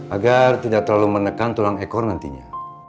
agar tidak terlalu menekan tulang ekor nantinya